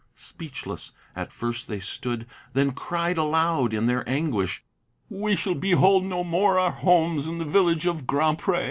Speechless at first they stood, then cried aloud in their anguish, "We shall behold no more our homes in the village of Grand Pré!"